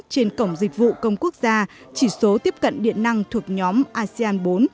trên cổng dịch vụ công quốc gia chỉ số tiếp cận điện năng thuộc nhóm asean bốn